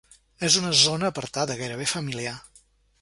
És una zona apartada, gairebé familiar.